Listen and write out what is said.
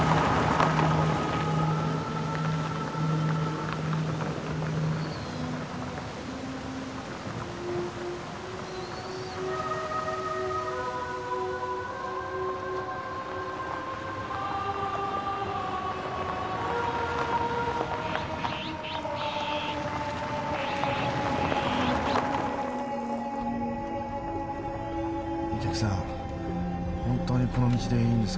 本当にこの道でいいんですか？